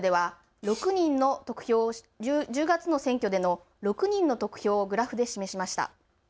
１０月の選挙での６人の得票をグラフで示しました。